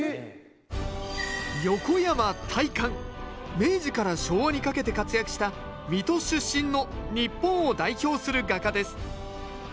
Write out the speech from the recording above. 明治から昭和にかけて活躍した水戸出身の日本を代表する画家です